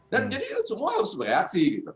dan jadi semua harus bereaksi